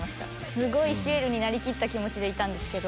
すごいシエルになりきった気持ちでいたんですけど。